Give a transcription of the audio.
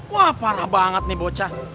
wah parah banget nih bocah